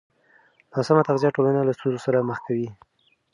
ناسمه تغذیه ټولنه له ستونزو سره مخ کوي.